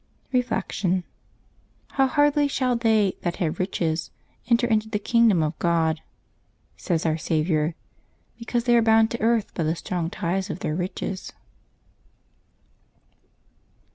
Reflection. —" How hardly shall they that have riches enter into the kingdom of God !" says Our Saviour ; be cause they are bound to earth by the strong ties of their riches.